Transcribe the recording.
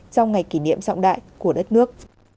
trong ngày kỷ niệm rộng đại của đất nước